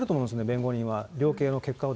弁護人は、量刑の結果を。